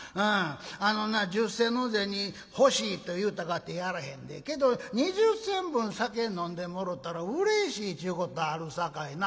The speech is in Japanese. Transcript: あのな十銭の銭欲しいと言うたかてやらへんで。けど二十銭分酒飲んでもろたらうれしいちゅうことあるさかいな」。